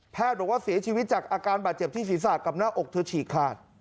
บอกว่าเสียชีวิตจากอาการบาดเจ็บที่ศีรษะกับหน้าอกเธอฉีกขาด